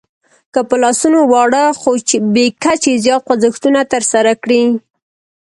که په لاسونو واړه خو بې کچې زیات خوځښتونه ترسره کړئ